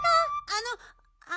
あの。